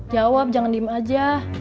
jawab jangan diem aja